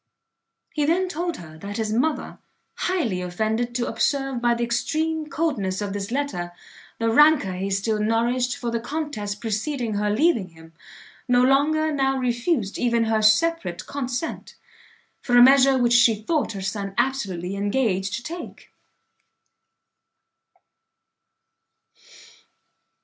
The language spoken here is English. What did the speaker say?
He then told her, that his mother, highly offended to observe by the extreme coldness of this letter, the rancour he still nourished for the contest preceding her leaving him, no longer now refused even her separate consent, for a measure which she thought her son absolutely engaged to take.